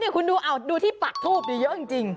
คุณดูดูที่ปักทูบอยู่เยอะจริง